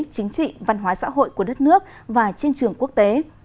chính trị văn hóa xã hội của đất nước và trên trường quốc tế